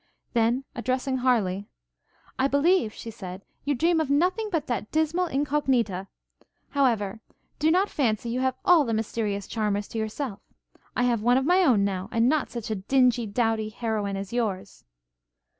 Then, addressing Harleigh, 'I believe,' she said, 'you dream of nothing but that dismal Incognita. However, do not fancy you have all the mysterious charmers to yourself. I have one of my own, now; and not such a dingy, dowdy heroine as yours!'